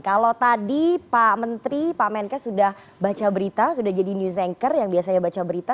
kalau tadi pak menteri pak menkes sudah baca berita sudah jadi news anchor yang biasanya baca berita